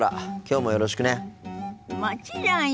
もちろんよ。